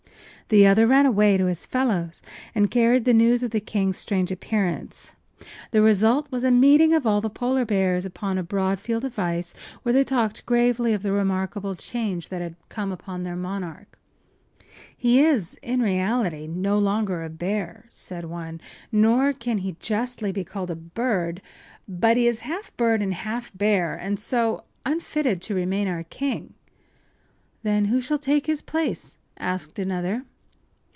The other ran away to his fellows and carried the news of the king’s strange appearance. The result was a meeting of all the polar bears upon a broad field of ice, where they talked gravely of the remarkable change that had come upon their monarch. “He is, in reality, no longer a bear,” said one; “nor can he justly be called a bird. But he is half bird and half bear, and so unfitted to remain our king.” “Then who shall take his place?” asked another.